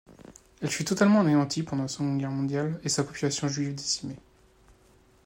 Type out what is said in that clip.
Elle fut totalement anéantie pendant la Seconde Guerre mondiale et sa population juive décimée.